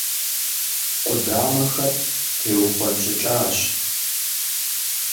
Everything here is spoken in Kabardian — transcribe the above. Къудамэхэр теухъуэнщӀыкӀащ.